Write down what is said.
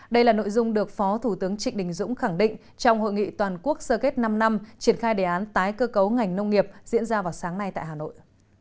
đây là nội dung được phó thủ tướng trịnh đình dũng khẳng định trong hội nghị toàn quốc sơ kết năm năm triển khai đề án tái cơ cấu ngành nông nghiệp diễn ra vào sáng nay tại hà nội